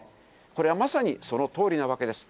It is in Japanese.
これはまさに、そのとおりなわけです。